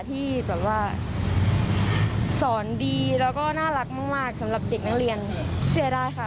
ที่แบบว่าสอนดีแล้วก็น่ารักมากสำหรับเด็กนักเรียนเสียดายค่ะ